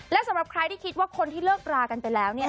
และสำหรับใครที่คิดว่าคนที่เลิกรากันไปแล้ว